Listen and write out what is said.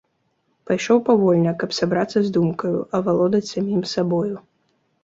Пайшоў павольна, каб сабрацца з думкаю, авалодаць самім сабою.